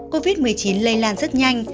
covid một mươi chín lây lan rất nhanh